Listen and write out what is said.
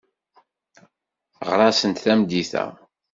Ɣer-asent tameddit-a.